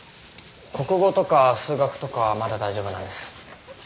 国語とか数学とかはまだ大丈夫なんです。